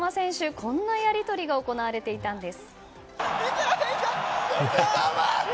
こんなやり取りが行われていたんです。